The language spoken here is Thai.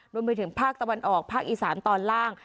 รวมไปถึงภาคตะวันออกภาคอีสานตอนล่าง